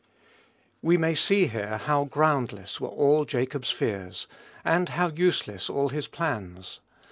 We may here see how groundless were all Jacob's fears, and how useless all his plans.